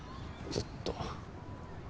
ずっと。